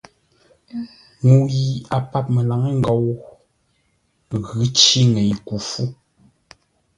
Ŋuu yi a pap məlaŋə́ ngou ghʉ̌ cí ŋəɨ ku fú.